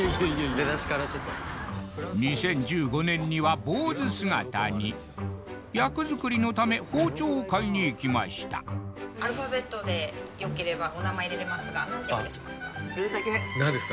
出だしからちょっと２０１５年にはぼうず姿に役づくりのため包丁を買いにいきましたアルファベットでよければお名前入れれますが何てお入れしますか？